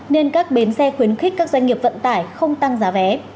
nên các bến xe khuyến khích các doanh nghiệp vận tải không tăng giá vé